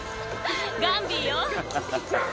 ガンビーよ！